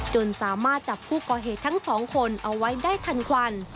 จนสามารถจับผู้ก่อเหตุทั้งสองคนเอาไว้ได้ทันควัน